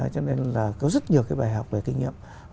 cho nên là có rất nhiều cái bài học về kinh nghiệm